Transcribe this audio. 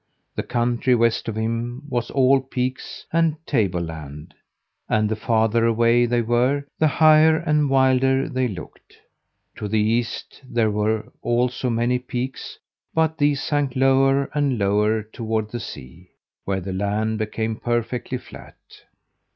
The country west of him was all peaks and table land, and the farther away they were, the higher and wilder they looked. To the east there were also many peaks, but these sank lower and lower toward the sea, where the land became perfectly flat.